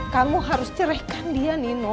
kamu harus cerehkan dia nino